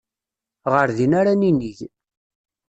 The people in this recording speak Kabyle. Ɣer din ara ninig.